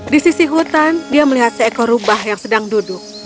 di sisi hutan dia melihat seekor rubah yang sedang duduk